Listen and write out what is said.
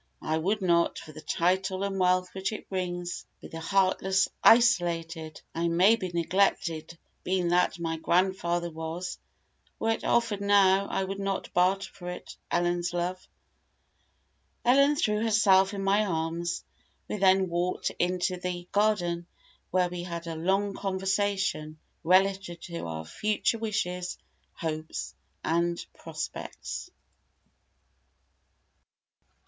I would not, for the title and wealth which it brings, be the heartless, isolated, I may say neglected, being that my grandfather was: were it offered now, I would not barter for it Ellen's love." Ellen threw herself in my arms; we then walked into the garden, where we had a long conversation relative to our future wishes, hopes and, prospects.